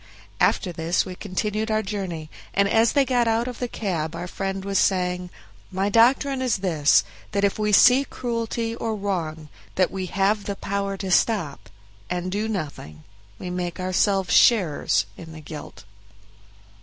After this we continued our journey, and as they got out of the cab our friend was saying, "My doctrine is this, that if we see cruelty or wrong that we have the power to stop, and do nothing, we make ourselves sharers in the guilt."